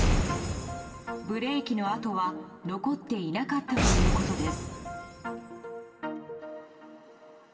ブレーキの跡は残っていなかったということです。